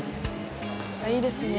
いいですね。